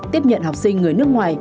tiếp nhận học sinh người nước ngoài